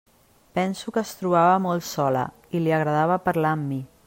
Penso que es trobava molt sola i li agradava parlar amb mi.